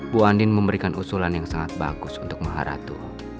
bu andin memberikan usulan yang sangat bagus untuk maharatu